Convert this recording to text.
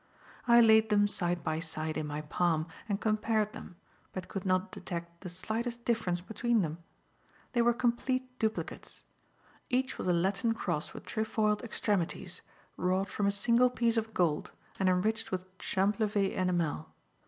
I laid them side by side in my palm and compared them, but could not detect the slightest difference between them. They were complete duplicates. Each was a Latin cross with trefoiled extremities, wrought from a single piece of gold and enriched with champlevé enamel.